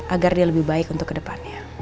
agar dia lebih baik untuk kedepannya